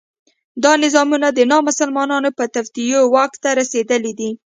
دا نظامونه د نامسلمانو په توطیو واک ته رسېدلي دي.